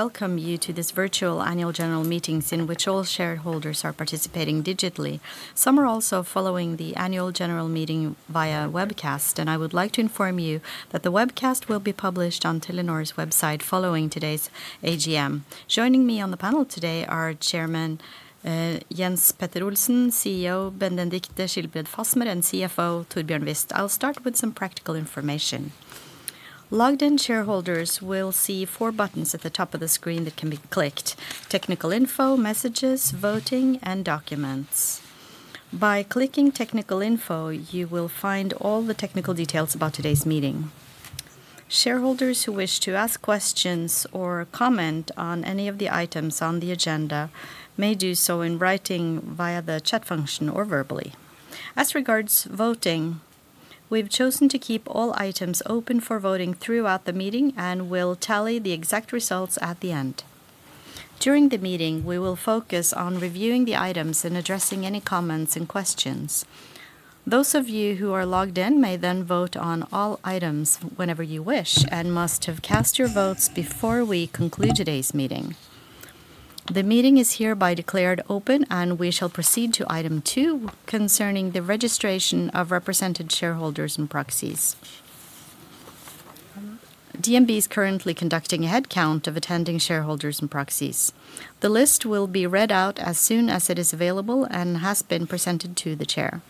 Welcome you to this virtual annual general meetings in which all shareholders are participating digitally. Some are also following the annual general meeting via webcast, and I would like to inform you that the webcast will be published on Telenor's website following today's AGM. Joining me on the panel today are Chairman Jens Petter Olsen, CEO Benedicte Schilbred Fasmer, and CFO Torbjørn Wist. I'll start with some practical information. Logged in shareholders will see four buttons at the top of the screen that can be clicked: Technical Info, Messages, Voting, and Documents. By clicking Technical Info, you will find all the technical details about today's meeting. Shareholders who wish to ask questions or comment on any of the items on the agenda may do so in writing via the chat function or verbally. As regards voting, we've chosen to keep all items open for voting throughout the meeting and will tally the exact results at the end. During the meeting, we will focus on reviewing the items and addressing any comments and questions. Those of you who are logged in may then vote on all items whenever you wish and must have cast your votes before we conclude today's meeting. The meeting is hereby declared open, and we shall proceed to item two concerning the registration of represented shareholders and proxies. DNB is currently conducting a head count of attending shareholders and proxies. The list will be read out as soon as it is available and has been presented to the chair.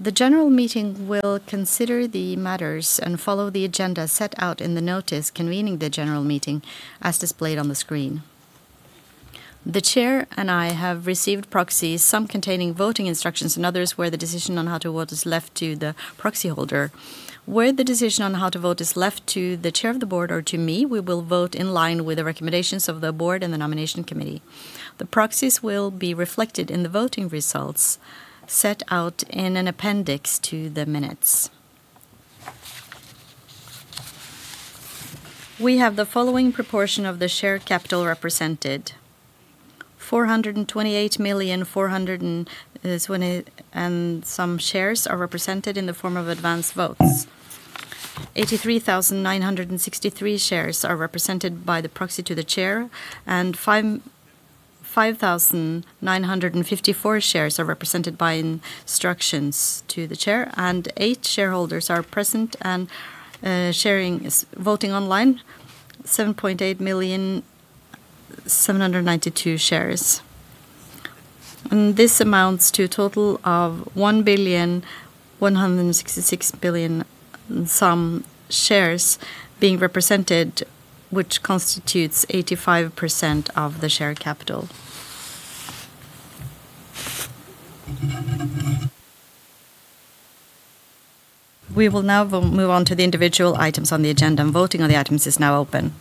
The general meeting will consider the matters and follow the agenda set out in the notice convening the general meeting as displayed on the screen. The Chair and I have received proxies, some containing voting instructions and others where the decision on how to vote is left to the proxy holder. Where the decision on how to vote is left to the Chair of the Board or to me, we will vote in line with the recommendations of the Board and the Nomination Committee. The proxies will be reflected in the voting results set out in an appendix to the minutes. We have the following proportion of the share capital represented. 428 million, 420 and some shares are represented in the form of advanced votes. 83,963 shares are represented by the proxy to the chair, and 5,954 shares are represented by instructions to the chair, and eight shareholders are present and voting online, 7.8 million 792 shares. This amounts to a total of 1 billion 166 billion, and some shares being represented, which constitutes 85% of the share capital. We will now move on to the individual items on the agenda, and voting on the items is now open.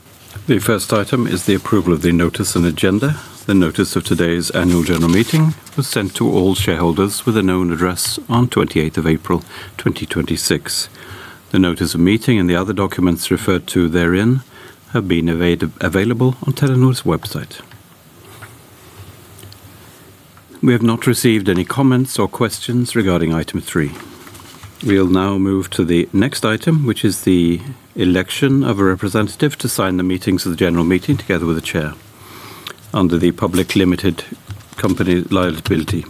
The first item is the approval of the notice and agenda. The notice of today's annual general meeting was sent to all shareholders with a known address on April 28th, 2026. The notice of meeting and the other documents referred to therein have been available on Telenor's website. We have not received any comments or questions regarding item three. We'll now move to the next item, which is the election of a representative to sign the meetings of the general meeting together with the chair. Under the Public Limited Liability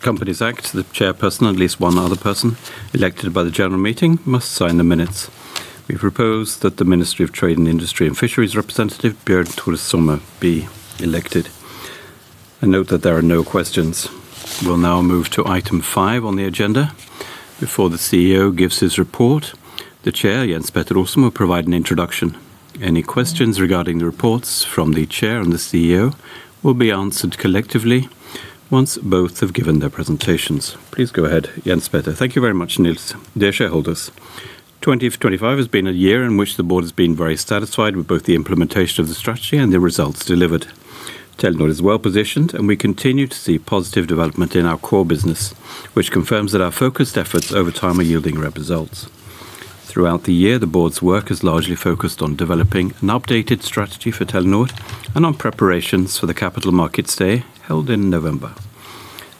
Companies Act, the chairperson and at least one other person elected by the general meeting must sign the minutes. We propose that the Ministry of Trade, Industry and Fisheries representative, Bjørn Tore Sommer, be elected. I note that there are no questions. We'll now move to item five on the agenda. Before the CEO gives his report, the chair, Jens Petter Olsen, will provide an introduction. Any questions regarding the reports from the chair and the CEO will be answered collectively once both have given their presentations. Please go ahead, Jens Petter. Thank you very much, Nils. Dear shareholders, 2025 has been a year in which the board has been very satisfied with both the implementation of the strategy and the results delivered. Telenor is well-positioned, and we continue to see positive development in our core business, which confirms that our focused efforts over time are yielding real results. Throughout the year, the board's work is largely focused on developing an updated strategy for Telenor and on preparations for the Capital Markets Day held in November.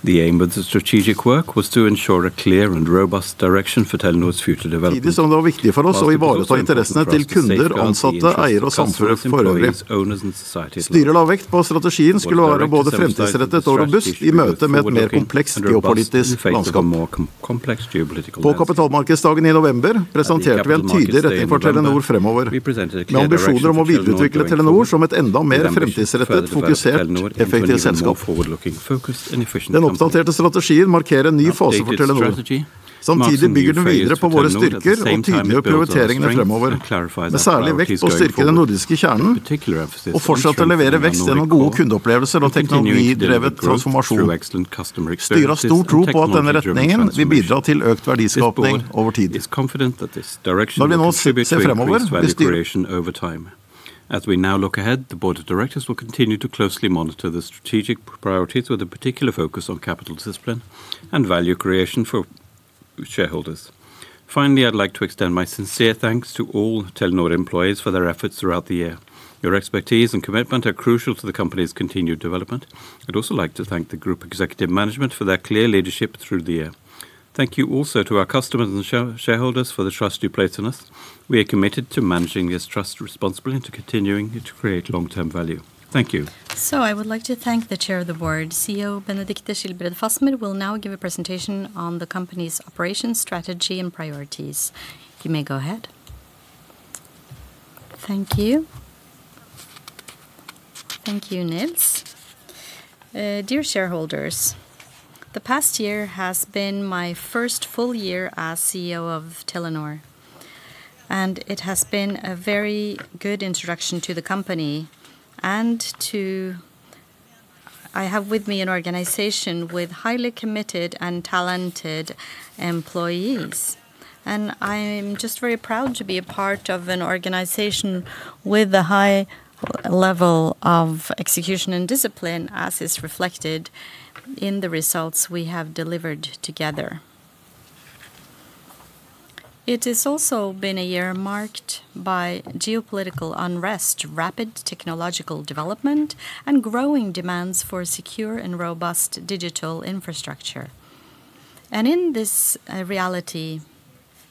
The aim of the strategic work was to ensure a clear and robust direction for Telenor's future development. Simultaneously, it was important for us to protect the interests of customers, employees, owners, and society at large. The board emphasized that the strategy would be both forward-looking and robust in the face of a more complex geopolitical landscape. At the Capital Markets Day in November, we presented a clear direction for Telenor going forward, with ambitions to further develop Telenor into an even more forward-looking, focused, and efficient company. The updated strategy marks a new phase for Telenor. At the same time, it builds on our strengths and clarifies our priorities going forward, with a particular emphasis on strengthening the Nordic core and continuing to deliver growth through excellent customer experiences and technology-driven transformation. The board is confident that this direction will contribute to increased value creation over time. As we now look ahead, the Board of Directors will continue to closely monitor the strategic priorities with a particular focus on capital discipline and value creation. Shareholders. Finally, I'd like to extend my sincere thanks to all Telenor employees for their efforts throughout the year. Your expertise and commitment are crucial to the company's continued development. I'd also like to thank the group executive management for their clear leadership through the year. Thank you also to our customers and shareholders for the trust you place in us. We are committed to managing this trust responsibly and to continuing to create long-term value. Thank you. I would like to thank the Chair of the Board. CEO Benedicte Schilbred Fasmer will now give a presentation on the company's operations, strategy, and priorities. You may go ahead. Thank you. Thank you, Nils. dear shareholders, the past year has been my first full year as CEO of Telenor, and it has been a very good introduction to the company and to I have with me an organization with highly committed and talented employees. I am just very proud to be a part of an organization with a high level of execution and discipline as is reflected in the results we have delivered together. It has also been a year marked by geopolitical unrest, rapid technological development, and growing demands for secure and robust digital infrastructure. in this reality,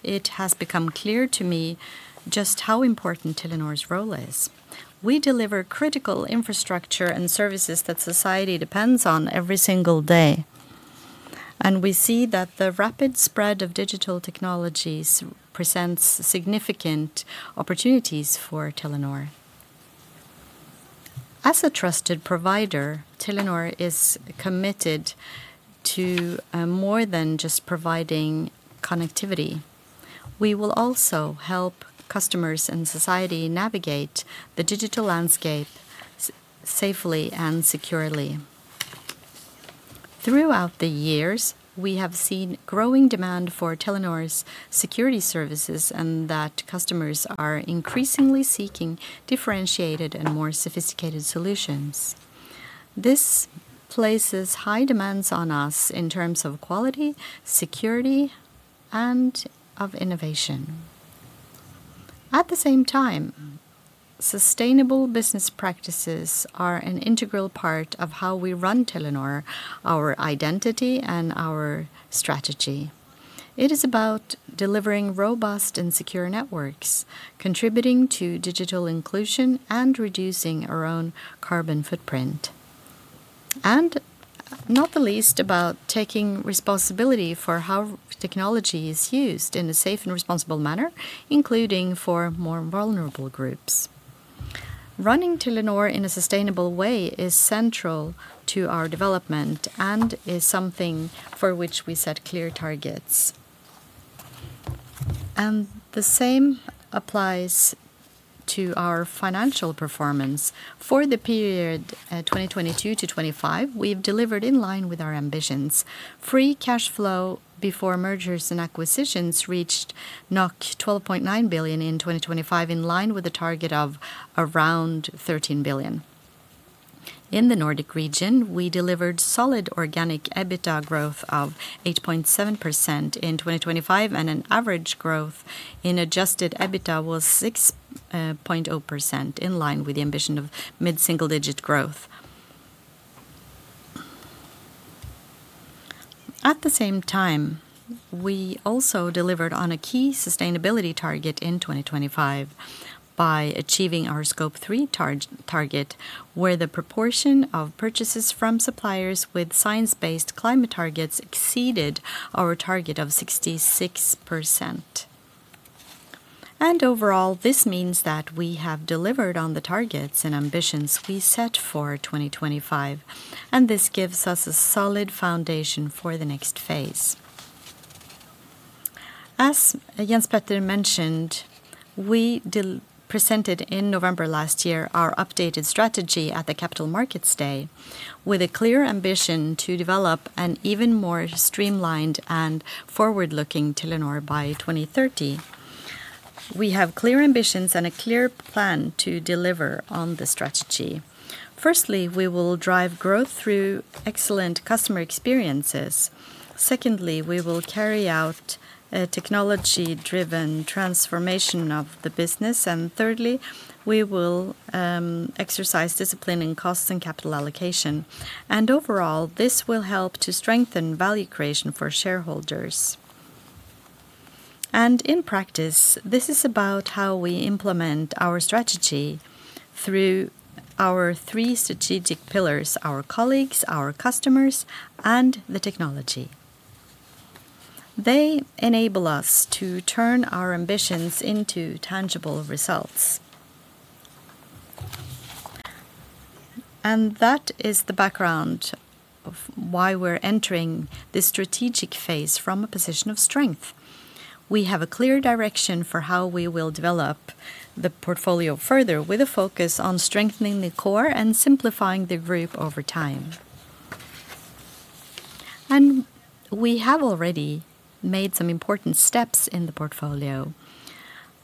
it has become clear to me just how important Telenor's role is. We deliver critical infrastructure and services that society depends on every single day. We see that the rapid spread of digital technologies presents significant opportunities for Telenor. As a trusted provider, Telenor is committed to more than just providing connectivity. We will also help customers and society navigate the digital landscape safely and securely. Throughout the years, we have seen growing demand for Telenor's security services and that customers are increasingly seeking differentiated and more sophisticated solutions. This places high demands on us in terms of quality, security, and of innovation. At the same time, sustainable business practices are an integral part of how we run Telenor, our identity, and our strategy. It is about delivering robust and secure networks, contributing to digital inclusion, and reducing our own carbon footprint. Not the least about taking responsibility for how technology is used in a safe and responsible manner, including for more vulnerable groups. Running Telenor in a sustainable way is central to our development and is something for which we set clear targets. The same applies to our financial performance. For the period, 2022 to 2025, we've delivered in line with our ambitions. Free cash flow before mergers and acquisitions reached 12.9 billion in 2025, in line with the target of around 13 billion. In the Nordic region, we delivered solid organic EBITDA growth of 8.7% in 2025, and an average growth in adjusted EBITDA was 6.0%, in line with the ambition of mid-single-digit growth. At the same time, we also delivered on a key sustainability target in 2025 by achieving our scope three target, where the proportion of purchases from suppliers with science-based climate targets exceeded our target of 66%. Overall, this means that we have delivered on the targets and ambitions we set for 2025, and this gives us a solid foundation for the next phase. As Jens Petter mentioned, we presented in November last year our updated strategy at the Capital Markets Day with a clear ambition to develop an even more streamlined and forward-looking Telenor by 2030. We have clear ambitions and a clear plan to deliver on the strategy. Firstly, we will drive growth through excellent customer experiences. Secondly, we will carry out a technology-driven transformation of the business. Thirdly, we will exercise discipline in costs and capital allocation. Overall, this will help to strengthen value creation for shareholders. In practice, this is about how we implement our strategy through our three strategic pillars: our colleagues, our customers, and the technology. They enable us to turn our ambitions into tangible results. That is the background of why we're entering this strategic phase from a position of strength. We have a clear direction for how we will develop the portfolio further with a focus on strengthening the core and simplifying the group over time. We have already made some important steps in the portfolio.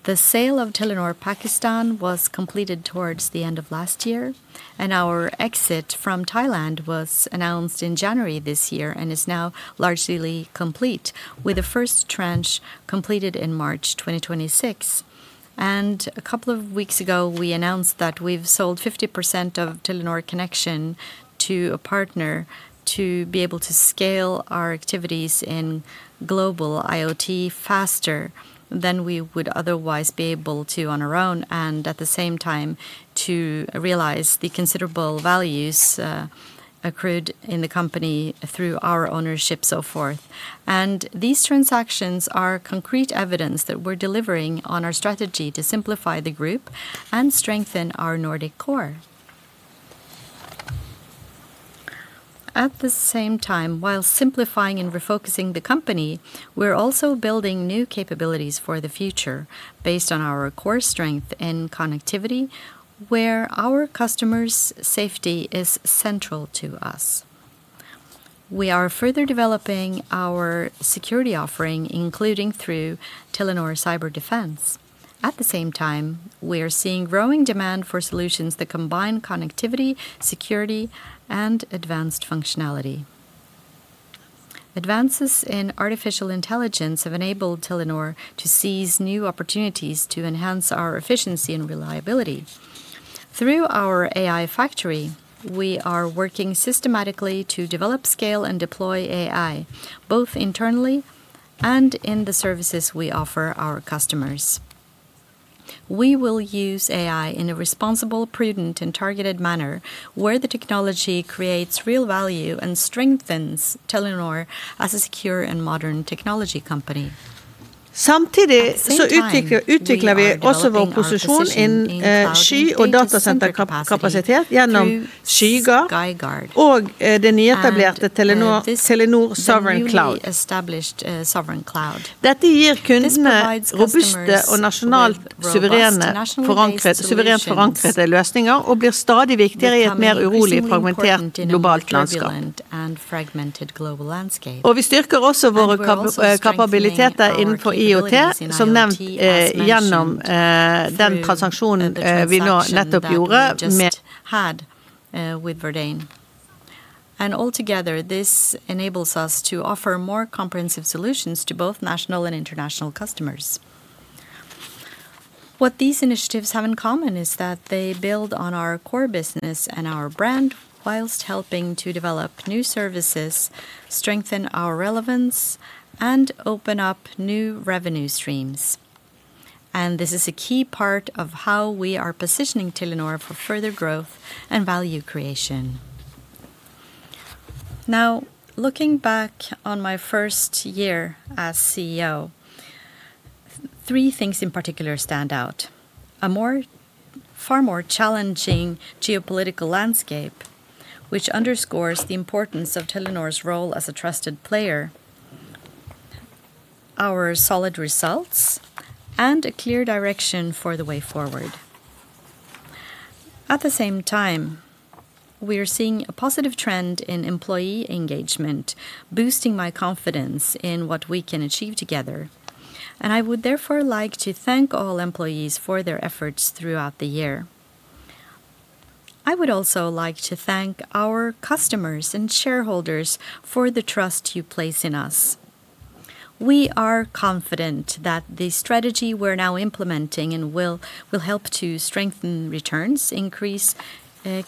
The sale of Telenor Pakistan was completed towards the end of last year, and our exit from Thailand was announced in January this year and is now largely complete with the first tranche completed in March 2026. A couple of weeks ago, we announced that we've sold 50% of Telenor Connexion to a partner to be able to scale our activities in global IoT faster than we would otherwise be able to on our own and at the same time to realize the considerable values accrued in the company through our ownership so forth. These transactions are concrete evidence that we're delivering on our strategy to simplify the group and strengthen our Nordic core. At the same time, while simplifying and refocusing the company, we're also building new capabilities for the future based on our core strength in connectivity, where our customers' safety is central to us. We are further developing our security offering, including through Telenor Cyberdefence. At the same time, we are seeing growing demand for solutions that combine connectivity, security, and advanced functionality. Advances in artificial intelligence have enabled Telenor to seize new opportunities to enhance our efficiency and reliability. Through our AI factory, we are working systematically to develop scale and deploy AI, both internally and in the services we offer our customers. We will use AI in a responsible, prudent, and targeted manner where the technology creates real value and strengthens Telenor as a secure and modern technology company. At the same time, we are developing our position in cloud native data center capacity through Skygard and this, the newly established, Sovereign Cloud. This provides customers with robust, nationally based. We're also strengthening our capabilities in IoT as mentioned through the transaction that we just had with Verdane. Altogether, this enables us to offer more comprehensive solutions to both national and international customers. What these initiatives have in common is that they build on our core business and our brand whilst helping to develop new services, strengthen our relevance, and open up new revenue streams. This is a key part of how we are positioning Telenor for further growth and value creation. Now, looking back on my first year as CEO, three things in particular stand out. A more, far more challenging geopolitical landscape, which underscores the importance of Telenor's role as a trusted player, our solid results, and a clear direction for the way forward. At the same time, we are seeing a positive trend in employee engagement, boosting my confidence in what we can achieve together. I would therefore like to thank all employees for their efforts throughout the year. I would also like to thank our customers and shareholders for the trust you place in us. We are confident that the strategy we're now implementing and will help to strengthen returns, increase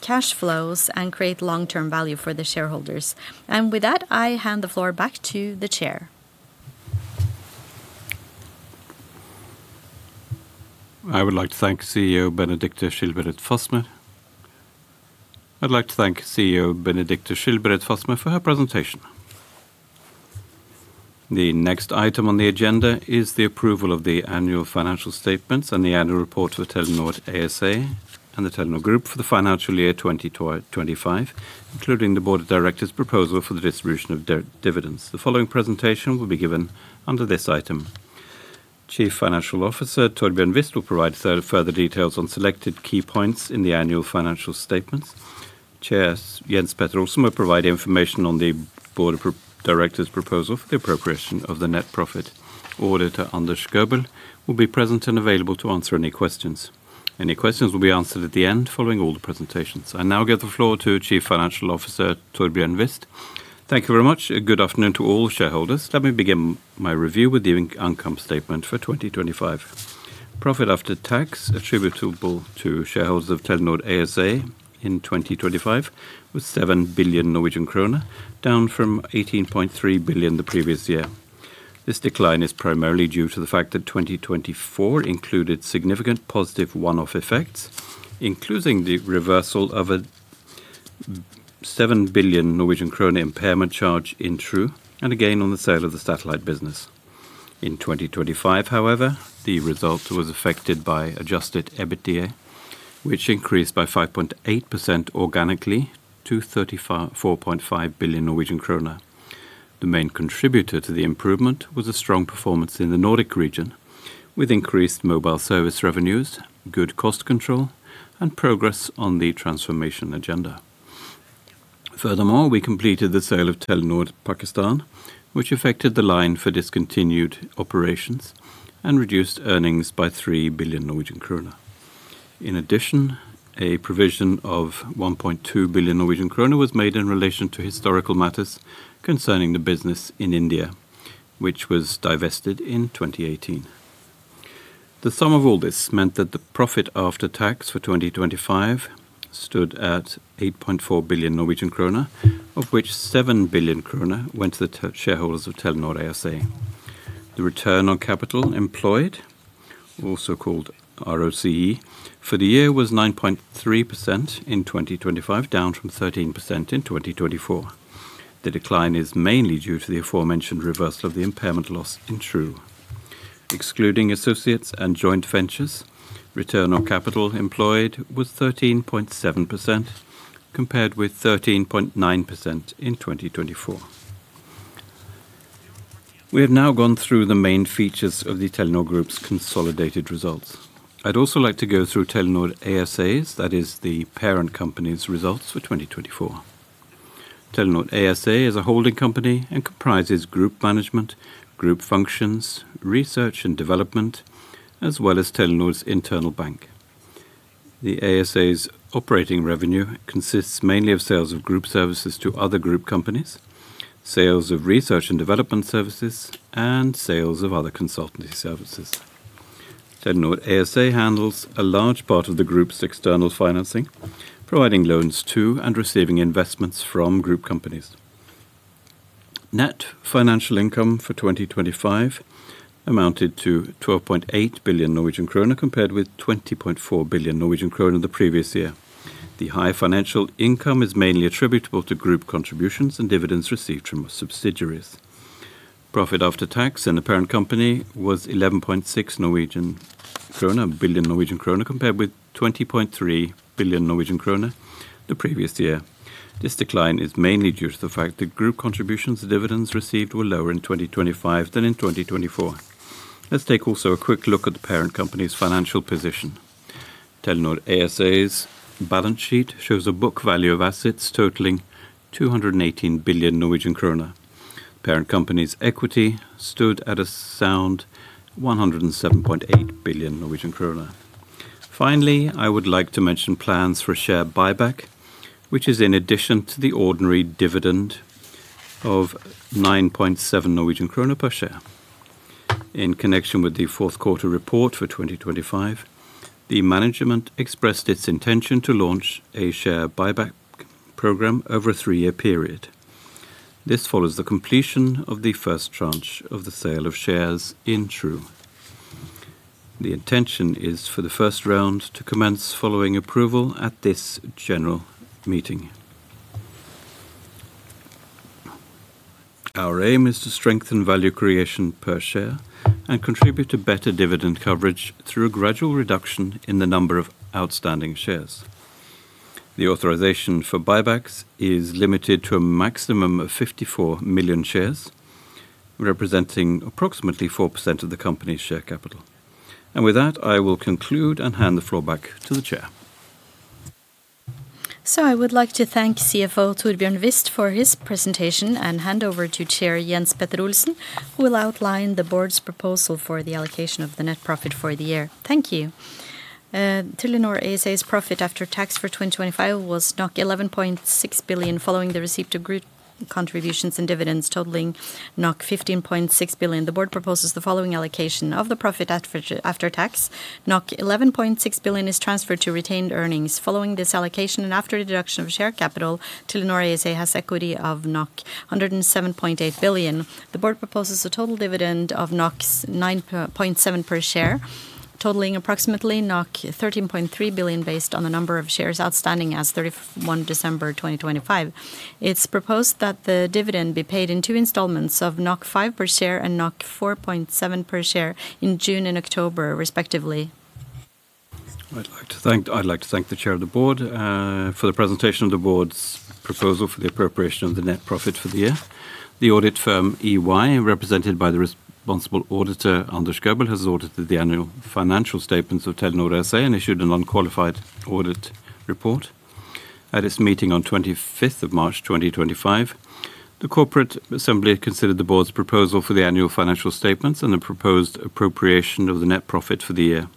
cash flows, and create long-term value for the shareholders. With that, I hand the floor back to the chair. I would like to thank CEO Benedicte Schilbred Fasmer. I'd like to thank CEO Benedicte Schilbred Fasmer for her presentation. The next item on the agenda is the approval of the annual financial statements and the annual report to the Telenor ASA and the Telenor Group for the financial year 2025, including the board of directors' proposal for the distribution of dividends. The following presentation will be given under this item. Chief Financial Officer Torbjørn Wist will provide further details on selected key points in the annual financial statements. Chair Jens Petter Olsen will provide information on the board of directors' proposal for the appropriation of the net profit. Auditor Anders Røberg-Larsen will be present and available to answer any questions. Any questions will be answered at the end following all the presentations. I now give the floor to Chief Financial Officer Torbjørn Wist. Thank you very much. Good afternoon to all shareholders. Let me begin my review with the income statement for 2025. Profit after tax attributable to shareholders of Telenor ASA in 2025 was 7 billion Norwegian krone, down from 18.3 billion the previous year. This decline is primarily due to the fact that 2024 included significant positive one-off effects, including the reversal of a 7 billion Norwegian krone impairment charge in True and again on the sale of the satellite business. In 2025, however, the result was affected by adjusted EBITDA, which increased by 5.8% organically to 35 billion-4.5 billion Norwegian krone. The main contributor to the improvement was a strong performance in the Nordic region with increased mobile service revenues, good cost control, and progress on the transformation agenda. Furthermore, we completed the sale of Telenor Pakistan, which affected the line for discontinued operations and reduced earnings by 3 billion Norwegian krone. In addition, a provision of 1.2 billion Norwegian krone was made in relation to historical matters concerning the business in India, which was divested in 2018. The sum of all this meant that the profit after tax for 2025 stood at 8.4 billion Norwegian krone, of which 7 billion krone went to the shareholders of Telenor ASA. The return on capital employed, also called ROCE, for the year was 9.3% in 2025, down from 13% in 2024. The decline is mainly due to the aforementioned reversal of the impairment loss in True. Excluding associates and joint ventures, return on capital employed was 13.7% compared with 13.9% in 2024. We have now gone through the main features of the Telenor Group's consolidated results. I'd also like to go through Telenor ASA's, that is the parent company's, results for 2024. Telenor ASA is a holding company and comprises group management, group functions, research and development, as well as Telenor's internal bank. The ASA's operating revenue consists mainly of sales of group services to other group companies, sales of research and development services, and sales of other consultancy services. Telenor ASA handles a large part of the group's external financing, providing loans to and receiving investments from group companies. Net financial income for 2025 amounted to 12.8 billion Norwegian kroner compared with 20.4 billion Norwegian kroner the previous year. The high financial income is mainly attributable to group contributions and dividends received from subsidiaries. Profit after tax in the parent company was 11.6 billion Norwegian krone compared with 20.3 billion Norwegian krone the previous year. This decline is mainly due to the fact that group contributions and dividends received were lower in 2025 than in 2024. Let's take also a quick look at the parent company's financial position. Telenor ASA's balance sheet shows a book value of assets totaling 218 billion Norwegian krone. Parent company's equity stood at a sound 107.8 billion Norwegian krone. Finally, I would like to mention plans for a share buyback, which is in addition to the ordinary dividend of 9.7 Norwegian krone per share. In connection with the fourth quarter report for 2025, the management expressed its intention to launch a share buyback program over a three-year period. This follows the completion of the first tranche of the sale of shares in True. The intention is for the first round to commence following approval at this general meeting. Our aim is to strengthen value creation per share and contribute to better dividend coverage through a gradual reduction in the number of outstanding shares. The authorization for buybacks is limited to a maximum of 54 million shares, representing approximately 4% of the company's share capital. With that, I will conclude and hand the floor back to the chair. I would like to thank CFO Torbjørn Wist for his presentation and hand over to Chair Jens Petter Olsen, who will outline the board's proposal for the allocation of the net profit for the year. Thank you. Telenor ASA's profit after tax for 2025 was 11.6 billion, following the receipt of group contributions and dividends totaling 15.6 billion. The board proposes the following allocation of the profit after tax. 11.6 billion is transferred to retained earnings. Following this allocation and after deduction of share capital, Telenor ASA has equity of 107.8 billion. The board proposes a total dividend of 9.7 per share, totaling approximately 13.3 billion based on the number of shares outstanding as December 31, 2025. It's proposed that the dividend be paid in two installments of 5 per share and 4.7 per share in June and October respectively. I'd like to thank the chair of the board for the presentation of the board's proposal for the appropriation of the net profit for the year. The audit firm EY, represented by the responsible auditor, Anders Røberg-Larsen, has audited the annual financial statements of Telenor ASA and issued an unqualified audit report. At its meeting on March 25th, 2025, the Corporate Assembly considered the board's proposal for the annual financial statements and the proposed appropriation of the net profit for the year.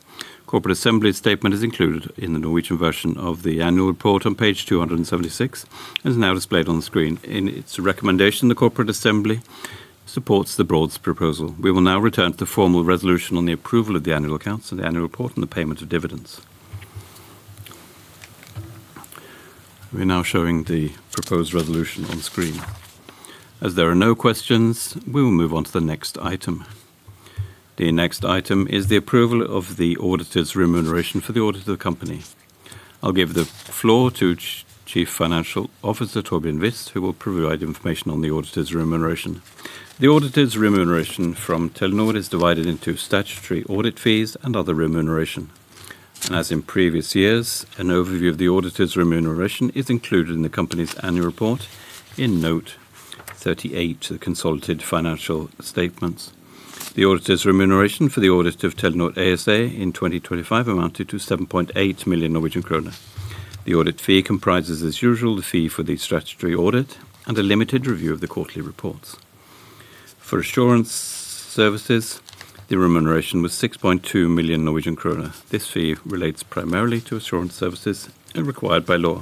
Corporate Assembly statement is included in the Norwegian version of the annual report on page 276, and is now displayed on the screen. In its recommendation, the Corporate Assembly supports the board's proposal. We will now return to the formal resolution on the approval of the annual accounts and the annual report and the payment of dividends. We're now showing the proposed resolution on screen. As there are no questions, we will move on to the next item. The next item is the approval of the auditor's remuneration for the audit of the company. I'll give the floor to Chief Financial Officer Torbjørn Wist, who will provide information on the auditor's remuneration. The auditor's remuneration from Telenor is divided into statutory audit fees and other remuneration. As in previous years, an overview of the auditor's remuneration is included in the company's annual report in note 38, the consolidated financial statements. The auditor's remuneration for the audit of Telenor ASA in 2025 amounted to 7.8 million Norwegian kroner. The audit fee comprises, as usual, the fee for the statutory audit and a limited review of the quarterly reports. For assurance services, the remuneration was 6.2 million Norwegian kroner. This fee relates primarily to assurance services and required by law.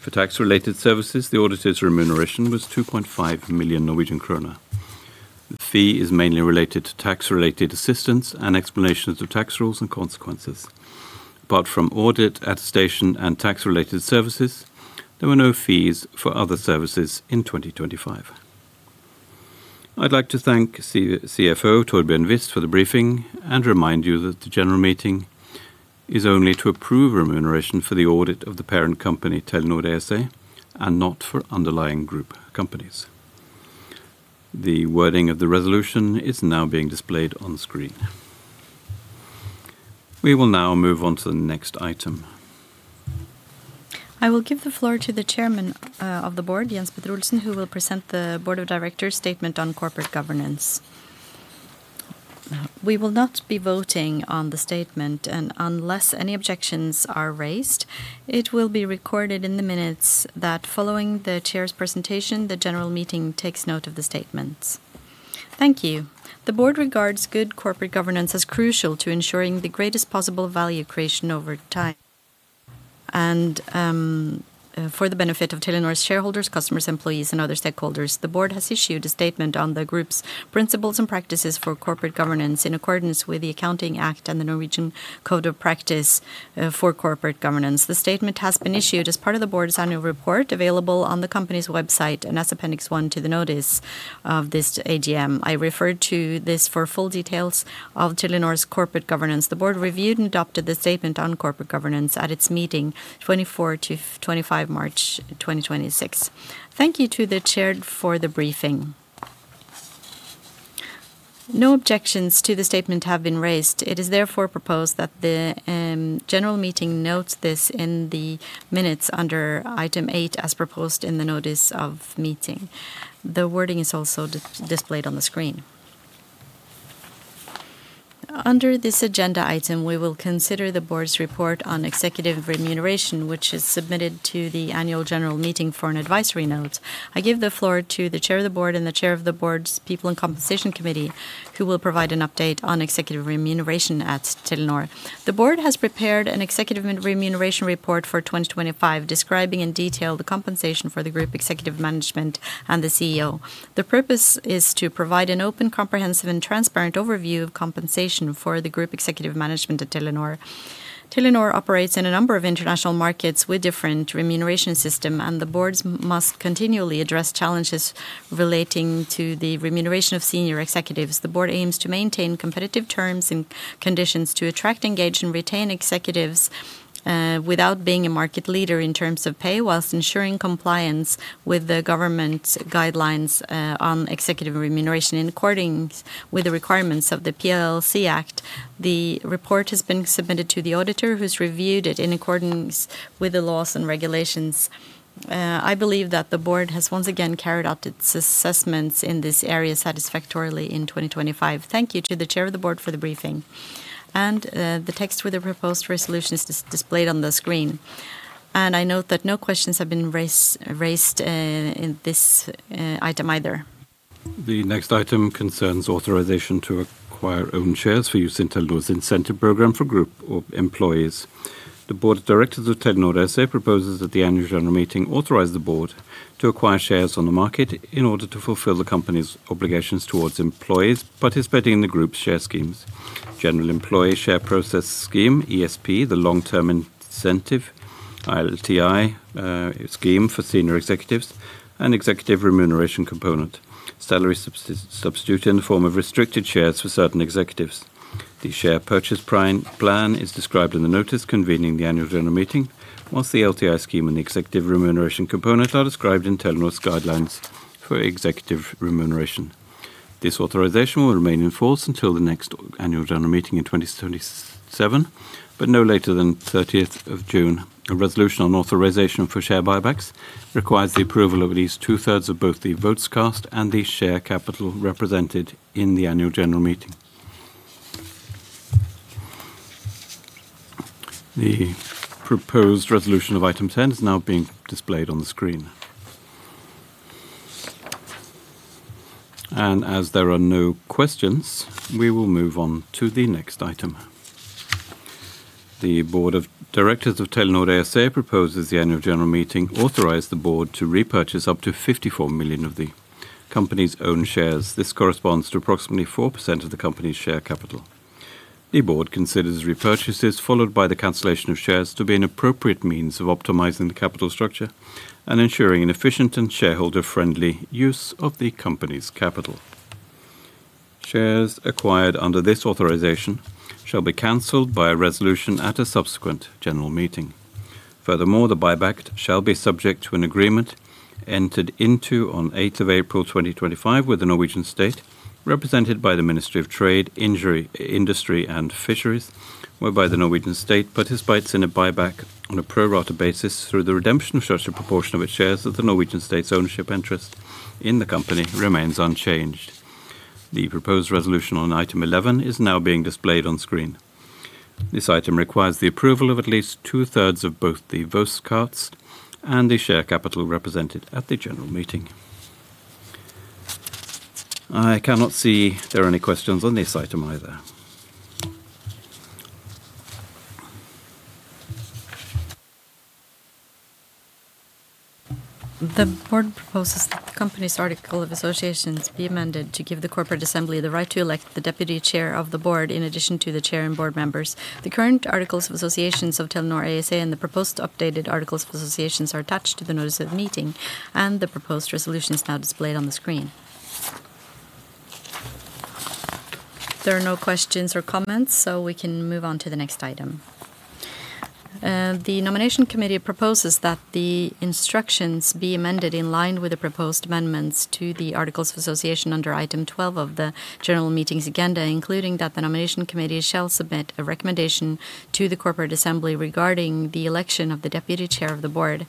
For tax-related services, the auditor's remuneration was 2.5 million Norwegian krone. The fee is mainly related to tax-related assistance and explanations of tax rules and consequences. Apart from audit, attestation, and tax-related services, there were no fees for other services in 2025. I'd like to thank CFO, Torbjørn Wist, for the briefing and remind you that the general meeting is only to approve remuneration for the audit of the parent company, Telenor ASA, and not for underlying group companies. The wording of the resolution is now being displayed on screen. We will now move on to the next item. I will give the floor to the chairman of the board, Jens Petter Olsen, who will present the board of directors' statement on corporate governance. We will not be voting on the statement, and unless any objections are raised, it will be recorded in the minutes that following the chair's presentation, the general meeting takes note of the statements. Thank you. The Board regards good corporate governance as crucial to ensuring the greatest possible value creation over time. For the benefit of Telenor's shareholders, customers, employees, and other stakeholders, the Board has issued a statement on the Group's principles and practices for corporate governance in accordance with the Accounting Act and the Norwegian Code of Practice for Corporate Governance. The statement has been issued as part of the board's annual report available on the company's website and as Appendix 1 to the notice of this AGM. I refer to this for full details of Telenor's corporate governance. The board reviewed and adopted the statement on corporate governance at its meeting 24 to 25 March 2026. Thank you to the chair for the briefing. No objections to the statement have been raised. It is therefore proposed that the general meeting notes this in the minutes under item eight as proposed in the notice of meeting. The wording is also displayed on the screen. Under this agenda item, we will consider the board's report on executive remuneration, which is submitted to the annual general meeting for an advisory note. I give the floor to the Chair of the Board and the Chair of the Board's People and Compensation Committee, who will provide an update on executive remuneration at Telenor. The Board has prepared an executive remuneration report for 2025, describing in detail the compensation for the Group Executive Management and the CEO. The purpose is to provide an open, comprehensive, and transparent overview of compensation for the Group Executive Management at Telenor. Telenor operates in a number of international markets with different remuneration systems, and the Board must continually address challenges relating to the remuneration of senior executives. The Board aims to maintain competitive terms and conditions to attract, engage, and retain executives, without being a market leader in terms of pay, whilst ensuring compliance with the government guidelines on executive remuneration in accordance with the requirements of the PLC Act. The report has been submitted to the auditor who's reviewed it in accordance with the laws and regulations. I believe that the board has once again carried out its assessments in this area satisfactorily in 2025. The text with the proposed resolution is displayed on the screen. I note that no questions have been raised in this item either. The next item concerns authorization to acquire own shares for use in Telenor's incentive program for group or employees. The board of directors of Telenor ASA proposes that the annual general meeting authorize the board to acquire shares on the market in order to fulfill the company's obligations towards employees participating in the group's share schemes. General Employee Share Process Scheme, ESP, the Long-Term Incentive, LTI, scheme for senior executives, and executive remuneration component, salary substitute in the form of restricted shares for certain executives. The share purchase plan is described in the notice convening the annual general meeting, whilst the LTI scheme and the executive remuneration component are described in Telenor's guidelines for executive remuneration. This authorization will remain in force until the next annual general meeting in 2027, but no later than June 30th. A resolution on authorization for share buybacks requires the approval of at least two-thirds of both the votes cast and the share capital represented in the annual general meeting. The proposed resolution of item 10 is now being displayed on the screen. As there are no questions, we will move on to the next item. The board of directors of Telenor ASA proposes the annual general meeting authorize the board to repurchase up to 54 million of the company's own shares. This corresponds to approximately 4% of the company's share capital. The board considers repurchases followed by the cancellation of shares to be an appropriate means of optimizing the capital structure and ensuring an efficient and shareholder-friendly use of the company's capital. Shares acquired under this authorization shall be canceled by a resolution at a subsequent general meeting. Furthermore, the buyback shall be subject to an agreement entered into on April 8th, 2025 with the Norwegian state, represented by the Ministry of Trade, Industry and Fisheries, whereby the Norwegian state participates in a buyback on a pro rata basis through the redemption of such a proportion of its shares that the Norwegian state's ownership interest in the company remains unchanged. The proposed resolution on item 11 is now being displayed on screen. This item requires the approval of at least 2/3 of both the votes cast and the share capital represented at the general meeting. I cannot see there are any questions on this item either. The board proposes that the company's articles of association be amended to give the corporate assembly the right to elect the deputy chair of the board in addition to the chair and board members. The current articles of association of Telenor ASA and the proposed updated articles of association are attached to the notice of meeting, and the proposed resolution is now displayed on the screen. There are no questions or comments. We can move on to the next item. The Nomination Committee proposes that the instructions be amended in line with the proposed amendments to the articles of association under item 12 of the general meeting's agenda, including that the Nomination Committee shall submit a recommendation to the corporate assembly regarding the election of the deputy chair of the board.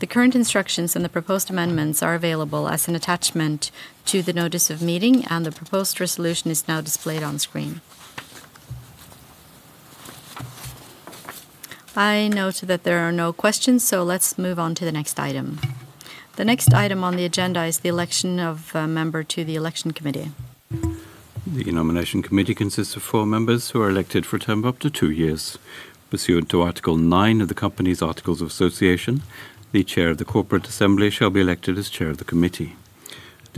The current instructions and the proposed amendments are available as an attachment to the notice of meeting, and the proposed resolution is now displayed on screen. I note that there are no questions. Let's move on to the next item. The next item on the agenda is the election of a member to the Nomination Committee. The Nomination Committee consists of four members who are elected for a term of up to two years. Pursuant to Article 9 of the company's articles of association, the chair of the corporate assembly shall be elected as chair of the committee.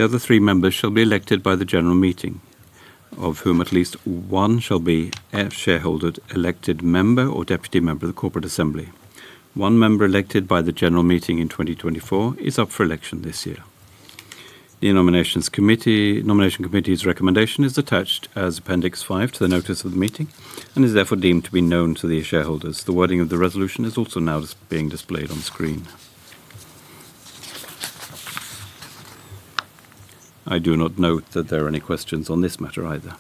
The other three members shall be elected by the general meeting, of whom at least one shall be a shareholder-elected member or deputy member of the corporate assembly. One member elected by the general meeting in 2024 is up for election this year. The Nomination Committee's recommendation is attached as Appendix 5 to the notice of the meeting and is therefore deemed to be known to the shareholders. The wording of the resolution is also now being displayed on screen. I do not note that there are any questions on this matter either.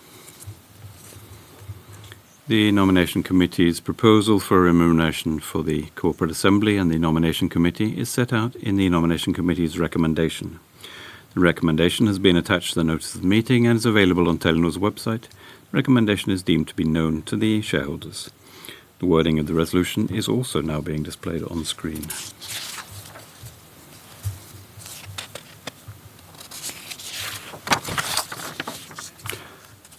The Nomination Committee's proposal for remuneration for the corporate assembly and the Nomination Committee is set out in the Nomination Committee's recommendation. The recommendation has been attached to the notice of the meeting and is available on Telenor's website. Recommendation is deemed to be known to the shareholders. The wording of the resolution is also now being displayed on screen.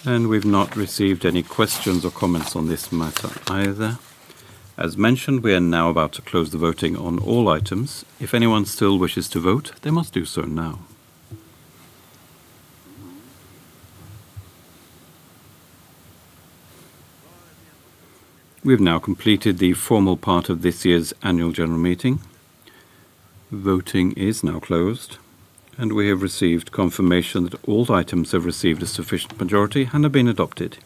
We've not received any questions or comments on this matter either. As mentioned, we are now about to close the voting on all items. If anyone still wishes to vote, they must do so now. We have now completed the formal part of this year's annual general meeting. Voting is now closed, and we have received confirmation that all items have received a sufficient majority and have been adopted.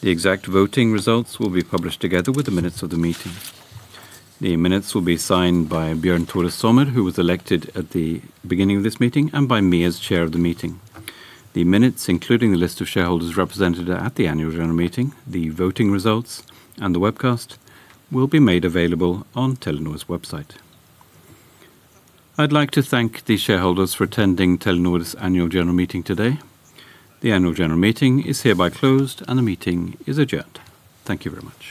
The exact voting results will be published together with the minutes of the meeting. The minutes will be signed by Bjørn Tore Sommer, who was elected at the beginning of this meeting, and by me as chair of the meeting. The minutes, including the list of shareholders represented at the Annual General Meeting, the voting results, and the webcast, will be made available on Telenor's website. I'd like to thank the shareholders for attending Telenor's Annual General Meeting today. The Annual General Meeting is hereby closed, and the meeting is adjourned. Thank you very much.